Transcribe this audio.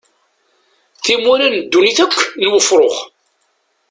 Timura n ddunit akk n ufrux.